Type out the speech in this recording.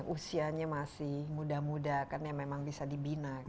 usianya masih muda muda kan yang memang bisa dibina